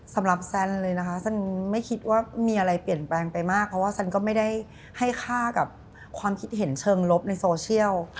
สำหรับแซนเลยนะคะซันไม่คิดว่ามีอะไรเปลี่ยนแปลงไปมากเพราะว่าซันก็ไม่ได้ให้ค่ากับความคิดเห็นเชิงลบในโซเชียล